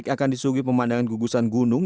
akan disugui pemandangan gugusan gunung